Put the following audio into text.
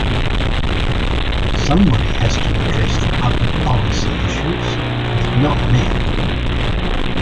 Somebody has to address the public policy issues - but not me.